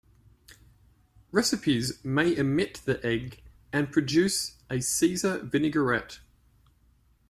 Recipes may omit the egg and produce a "Caesar vinaigrette".